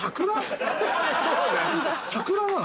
桜なの？